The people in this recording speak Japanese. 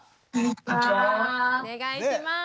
お願いします。